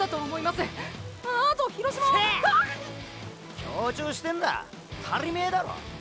協調してんだたりめーだろ。